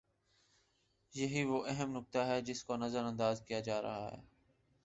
یہی وہ اہم نکتہ ہے جس کو نظر انداز کیا جا رہا ہے۔